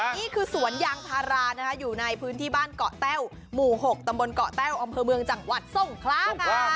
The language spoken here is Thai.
นี่คือสวนยางพารานะคะอยู่ในพื้นที่บ้านเกาะแต้วหมู่๖ตำบลเกาะแต้วอำเภอเมืองจังหวัดทรงคลาค่ะ